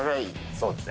そうですね。